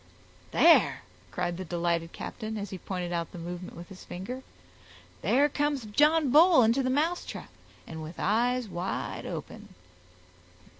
"There," cried the delighted captain, as he pointed out the movement with his finger, "there comes John Bull into the mousetrap, and with eyes wide open."